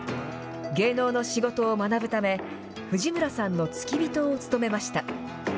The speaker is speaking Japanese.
芸能の仕事を学ぶため、藤村さんの付き人を務めました。